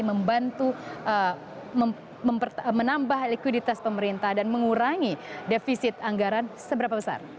membantu menambah likuiditas pemerintah dan mengurangi defisit anggaran seberapa besar